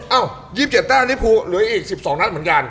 เอ้า๒๗ตารี้ภูรวยอีก๑๒นัฐเหมือนกัน